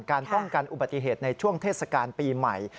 การป้องกันอุบัติเหตุในช่วงเทศกาลปีใหม่